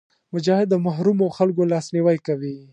مجاهد د محرومو خلکو لاسنیوی کوي.